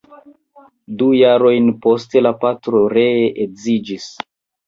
Du jarojn poste la patro ree edziĝis.